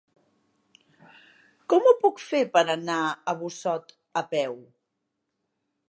Com ho puc fer per anar a Busot a peu?